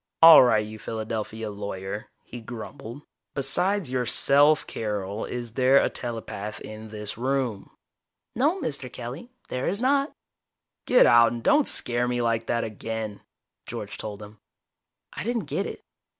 "All right, you Philadelphia lawyer," he grumbled. "Besides yourself, Carol, is there a telepath in this room?" "No, Mr. Kelly, there is not." "Get out, and don't scare me like that again." George told him. I didn't get it.